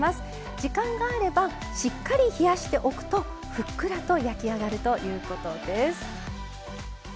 時間があればしっかり冷やしておくとふっくらと焼き上がるということです。